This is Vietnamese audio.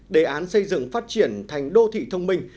đề án xây dựng phát triển thành đô thị thông minh